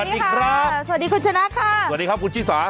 สวัสดีครับสวัสดีคุณชนะค่ะสวัสดีครับคุณชิสา